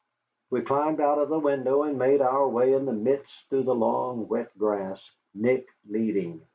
We climbed out of the window, and made our way in the mist through the long, wet grass, Nick leading.